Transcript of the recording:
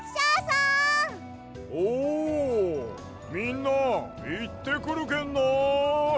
おみんないってくるけんな！